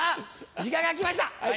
時間が来ました。